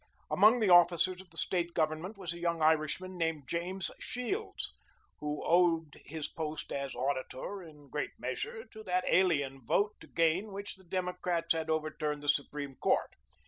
Among the officers of the State Government was a young Irishman named James Shields, who owed his post as Auditor, in great measure, to that alien vote to gain which the Democrats had overturned the Supreme Court.